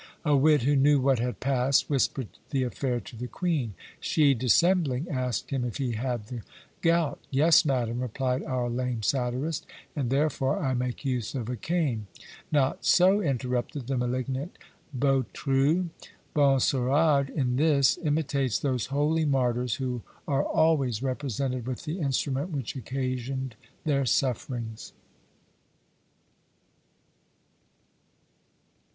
A wit, who knew what had passed, whispered the affair to the queen. She, dissembling, asked him if he had the gout? "Yes, madam," replied our lame satirist, "and therefore I make use of a cane." "Not so," interrupted the malignant Bautru, "Benserade in this imitates those holy martyrs who are always represented with the instrument which occasioned their sufferings."